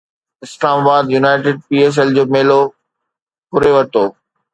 اسلام آباد United P S L جو ميلو ڦري ورتو